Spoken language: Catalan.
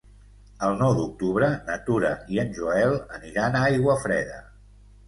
El nou d'octubre na Tura i en Joel aniran a Aiguafreda.